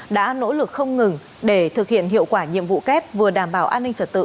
đã nỗ lực không ngừng để thực hiện hiệu quả nhiệm vụ kép vừa đảm bảo an ninh trật tự